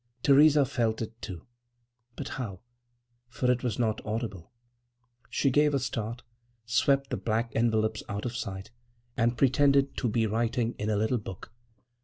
Theresa felt it, too,—but how? for it was not audible. She gave a start, swept the black envelopes out of sight, and pretended to be writing in a little book.